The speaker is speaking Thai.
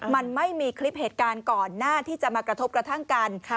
มันไม่มีคลิปเหตุการณ์ก่อนหน้าที่จะมากระทบกระทั่งกัน